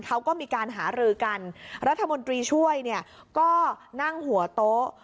เขาก็มีการหารือกันรัฐมนตรีช่วยเนี่ยก็นั่งหัวโต๊ะ